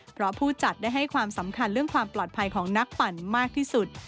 เพราะผู้จัดได้ให้ความสำคัญเรื่องความปลอดภัยของนักปั่นมากที่สุด